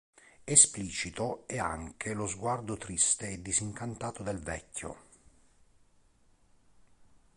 Esplicito è anche lo sguardo triste e disincantato del vecchio.